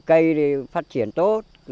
cây thì phát triển tốt